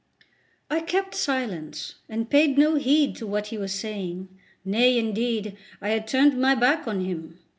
I kept silence, and paid no heed to what he was saying; nay, indeed, I had turned my back on him.